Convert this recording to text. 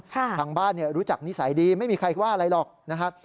ทางบ้านรู้จักนิสัยดีไม่มีใครว่าอะไรหรอกนะครับ